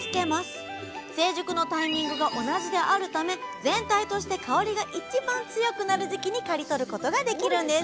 成熟のタイミングが同じであるため全体として香りが一番強くなる時期に刈り取ることができるんです